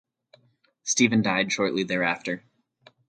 Stephen died shortly thereafter.